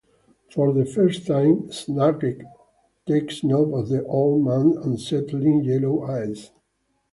For the first time, Czanek takes note of the Old Man's unsettling yellow eyes.